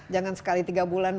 jangan sekali tiga bulan